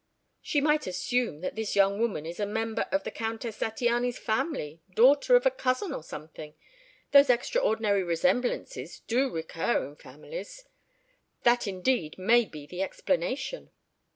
"She might assume that this young woman is a member of the Countess Zattiany's family daughter of a cousin or something those extraordinary resemblances do recur in families. ... That indeed may be the explanation."